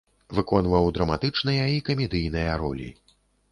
Выконваў драматычныя і камедыйныя ролі.